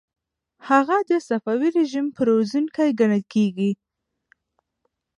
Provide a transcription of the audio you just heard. هغه د صفوي رژیم پرزوونکی ګڼل کیږي.